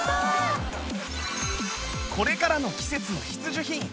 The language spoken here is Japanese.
これからの季節の必需品